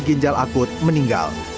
ginjal akut meninggal